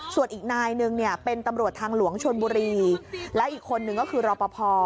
ส่วนอีกนายนึงเนี่ยเป็นตำรวจทางหลวงชนบุรีและอีกคนนึงก็คือรอปภ